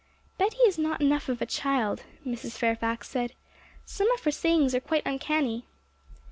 'Betty is not enough of a child,' Mrs. Fairfax said; 'some of her sayings are quite uncanny.'